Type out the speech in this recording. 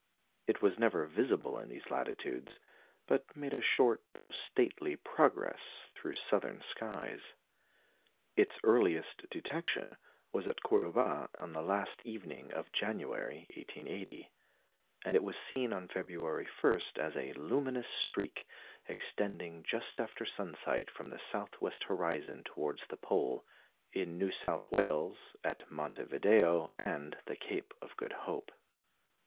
It was never visible in these latitudes, but made a short though stately progress through southern skies. Its earliest detection was at Cordoba on the last evening of January, 1880; and it was seen on February 1, as a luminous streak, extending just after sunset from the south west horizon towards the pole, in New South Wales, at Monte Video, and the Cape of Good Hope.